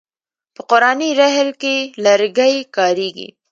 په قرآني رحل کې لرګی کاریږي.